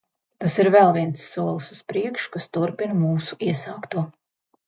Tas ir vēl viens solis uz priekšu, kas turpina mūsu iesākto.